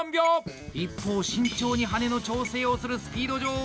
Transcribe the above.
一方、慎重に羽根の調整をする「スピード女王」